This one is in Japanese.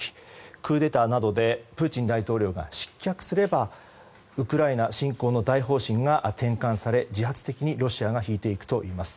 クーデターなどでプーチン大統領が失脚すればウクライナ侵攻の大方針が転換され自発的にロシアが引いていくといいます。